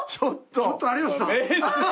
ちょっと有吉さん。